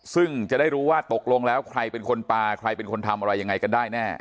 ซึ่งจะได้รู้ว่าตกลงแล้วใครเป็นคนปลาใครเป็นคนทำอะไรยังไงกันได้แน่